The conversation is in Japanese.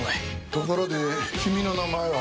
ところで君の名前は？